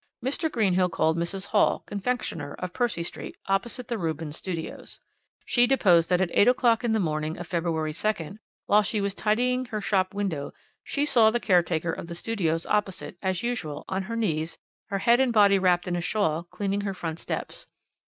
Mr. Greenhill called Mrs. Hall, confectioner, of Percy Street, opposite the Rubens Studios. She deposed that at 8 o'clock in the morning of February 2nd, while she was tidying her shop window, she saw the caretaker of the Studios opposite, as usual, on her knees, her head and body wrapped in a shawl, cleaning her front steps.